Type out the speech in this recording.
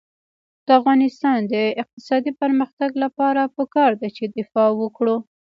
د افغانستان د اقتصادي پرمختګ لپاره پکار ده چې دفاع وکړو.